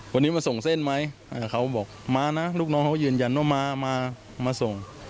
วันนี้มาส่งเส้นไหมเขาบอกมานะลูกน้องเขายืนยันว่ามามาส่ง